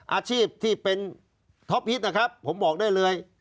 อาชีพที่เป็นท็อปฮิตนะครับผมบอกได้เลย